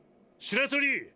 白鳥！